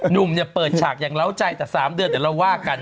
หนุ่มเนี่ยเปิดฉากอย่างเหล้าใจแต่๓เดือนเดี๋ยวเราว่ากัน